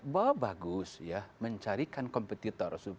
bahwa bagus ya mencarikan kompetitor